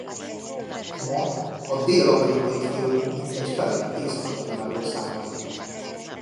Ma a dél-amerikai fajok mintegy fele Észak-Amerikából származik.